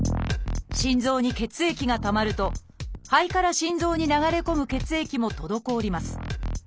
心臓に血液が溜まると肺から心臓に流れ込む血液も滞ります。